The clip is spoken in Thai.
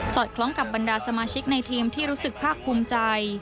อดคล้องกับบรรดาสมาชิกในทีมที่รู้สึกภาคภูมิใจ